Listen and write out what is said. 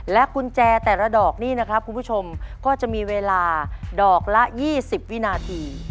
กุญแจแต่ละดอกนี่นะครับคุณผู้ชมก็จะมีเวลาดอกละ๒๐วินาที